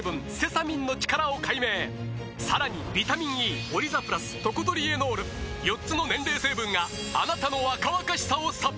さらにビタミンＥオリザプラストコトリエノール４つの年齢成分があなたの若々しさをサポート！